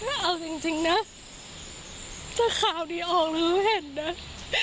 ถ้าเอาจริงนะถ้าข่าวดีออกแล้วเห็นนะ